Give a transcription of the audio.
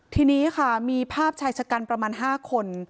ทีนี้ค่ะมีภาพชายชะกันประมาณ๕คน